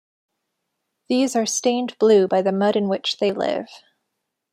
These are stained blue by the mud in which they live.